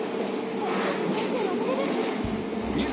本当に先生のおかげです。